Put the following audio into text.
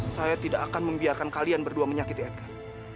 saya tidak akan membiarkan kalian berdua menyakiti edgar